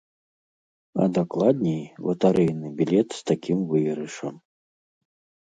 А дакладней латарэйны білет з такім выйгрышам.